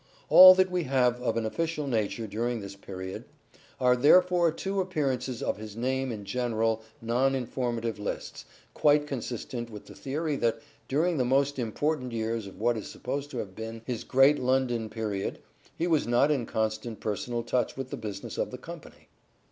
All that we have of an official nature during this period are therefore two appearances of his name in general non informative lists quite consistent with the theory that during the most important years of what is supposed to have been his great London period he was not in constant personal touch with the business of the company.